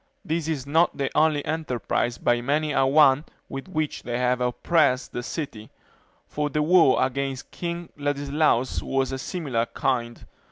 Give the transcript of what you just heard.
This is not the only enterprise by many a one with which they have oppressed the city; for the war against King Ladislaus was of a similar kind.